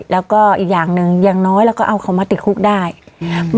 แล้วก็อีกอย่างหนึ่งอย่างน้อยเราก็เอาเขามาติดคุกได้อืม